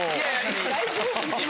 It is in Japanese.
大丈夫？